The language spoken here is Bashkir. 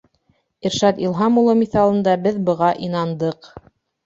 Иршат Илһам улы миҫалында беҙ быға инандыҡ.